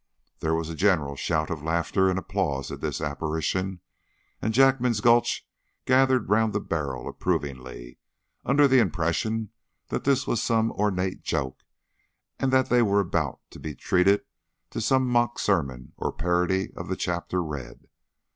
There was a general shout of laughter and applause at this apparition, and Jackman's Gulch gathered round the barrel approvingly, under the impression that this was some ornate joke, and that they were about to be treated to some mock sermon or parody of the chapter read.